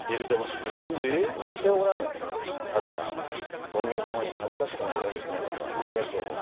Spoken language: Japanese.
ただ権現様に恥ずかしくない世にせねばとはようやく思う。